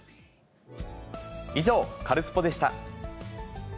以上、カルスポっ！でした。